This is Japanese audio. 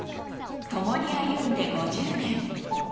共に歩んで５０年。